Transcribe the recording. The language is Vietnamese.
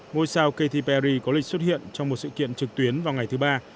ngôi sao katy perry có lịch xuất hiện trong một sự kiện trực tuyến vào ngày thứ ba